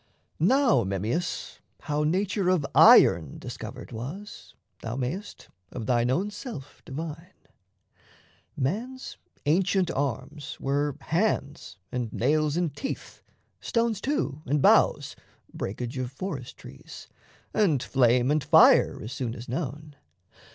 Now, Memmius, How nature of iron discovered was, thou mayst Of thine own self divine. Man's ancient arms Were hands, and nails and teeth, stones too and boughs Breakage of forest trees and flame and fire, As soon as known.